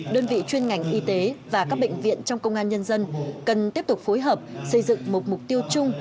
đơn vị chuyên ngành y tế và các bệnh viện trong công an nhân dân cần tiếp tục phối hợp xây dựng một mục tiêu chung